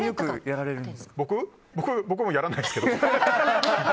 僕もやらないですけど。